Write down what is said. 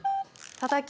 たたき。